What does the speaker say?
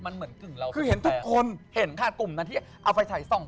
ยอมแพลกผียัง